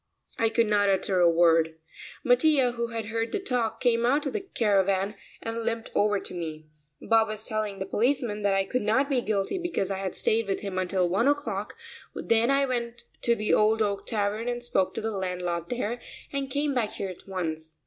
I could not utter a word. Mattia, who had heard the talk, came out of the caravan and limped over to me. Bob was telling the policeman that I could not be guilty because I had stayed with him until one o'clock, then I went to the Old Oak Tavern and spoke to the landlord there, and came back here at once.